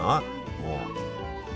もう。